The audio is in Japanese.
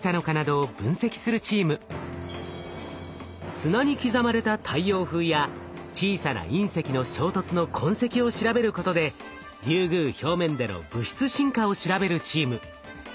砂に刻まれた太陽風や小さな隕石の衝突の痕跡を調べることでリュウグウ表面での物質進化を調べるチーム。